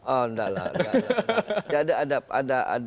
oh enggak lah